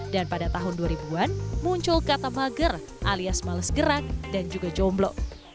dan pada tahun dua ribu an muncul kata mager alias males gerak dan juga jomblo